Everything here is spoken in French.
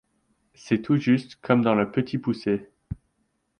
C’est tout juste comme dans le Petit Poucet.